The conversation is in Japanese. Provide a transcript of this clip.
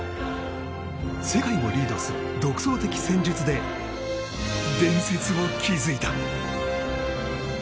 世界をリードする独創的戦術で伝説を築いた。